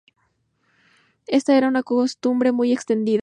Esta era una costumbre muy extendida.